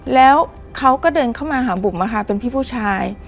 แล้วเขาก็เดินเข้ามาหาบุ๋มเป็นพี่ผู้ชาย